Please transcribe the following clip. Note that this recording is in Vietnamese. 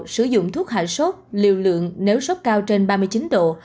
sử dụng thuốc hạ sốt liều lượng nếu sốc cao trên ba mươi chín độ